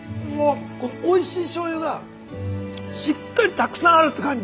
おいしい醤油がしっかりたくさんあるって感じ